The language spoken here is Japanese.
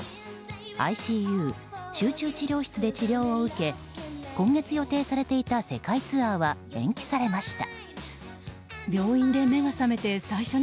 ＩＣＵ・集中治療室で治療を受け今月、予定されていた世界ツアーは延期されました。